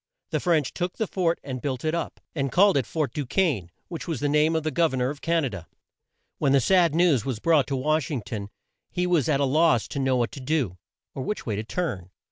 The French took the fort and built it up, and called it Fort Du quesne (kane), which was the name of the Gov er nor of Can a da. When the sad news was brought to Wash ing ton he was at a loss to know what to do, or which way to turn.